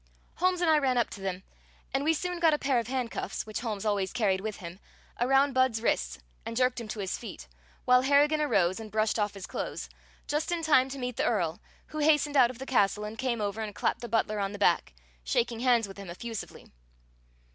Holmes and I ran up to them, and we soon got a pair of handcuffs, which Holmes always carried with him, around Budd's wrists and jerked him to his feet, while Harrigan arose and brushed off his clothes, just in time to meet the Earl, who hastened out of the castle and came over and clapped the butler on the back, shaking hands with him effusively.